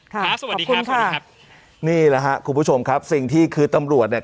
สวัสดีครับสวัสดีครับนี่แหละครับคุณผู้ชมครับสิ่งที่คือตำรวจเนี่ย